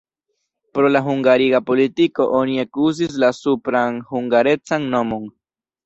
Pro la hungariga politiko oni ekuzis la supran hungarecan nomon.